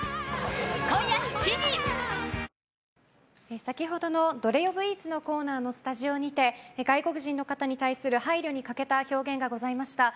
先ほどのどれ呼ぶイーツのコーナーのスタジオにて外国人の方に対する配慮に欠けた表現がございました。